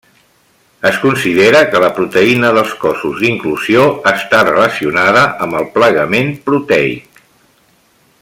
Es considera que la proteïna dels cossos d'inclusió està relacionada amb el plegament proteic.